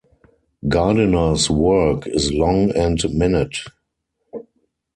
Gardiner's work is long and minute.